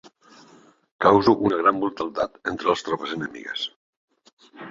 Causo una gran mortaldat entre les tropes enemigues.